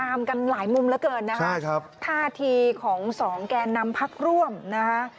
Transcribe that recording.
อันนี้ของสองแก่นำพักร่วมนะครับ